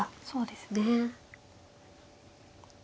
そうですね。